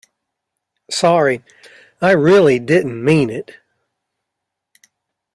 Sorry, I really didn't mean it.